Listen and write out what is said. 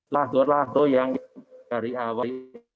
lah do lah do yang dari awal